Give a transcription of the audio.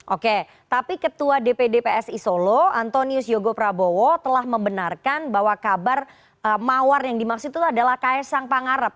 oke tapi ketua dpd psi solo antonius yogo prabowo telah membenarkan bahwa kabar mawar yang dimaksud itu adalah kaisang pangarep